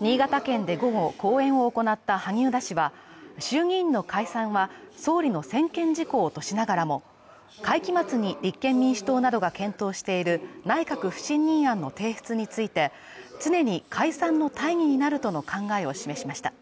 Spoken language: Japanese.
新潟県で午後講演を行った萩生田氏は、衆議院の解散は総理の専権事項としながらも、会期末に立憲民主党などが検討している内閣不信任案の提出について常に解散の大義になるとの考えを示しました。